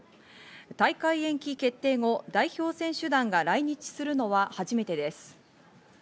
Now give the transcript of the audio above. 大会延期決定後、代表選手団が来日するのは初めてです。